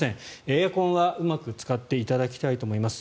エアコンはうまく使っていただきたいと思います。